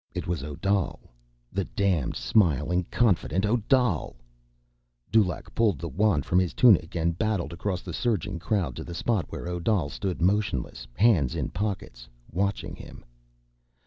It was Odal, the damned smiling confident Odal. Dulaq pulled the wand from his tunic and battled across the surging crowd to the spot where Odal stood motionless, hands in pockets, watching him.